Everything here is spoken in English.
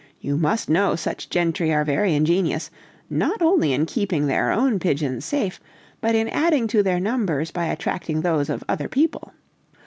You must know such gentry are very ingenious, not only in keeping their own pigeons safe, but in adding to their numbers by attracting those of other people.